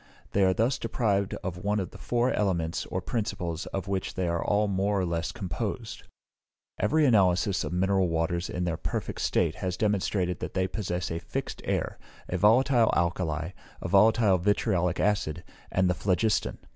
They are thus deprived of one of the four elements or principles of which they are all more or less composed. Every analysis of mineral waters in their perfect state has demonstrated that they possess a fixed air, a volatile alkali, a volatile vitriolic acid, and the phlogiston.